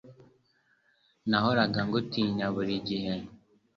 Nahoraga ngutinya, buri gihe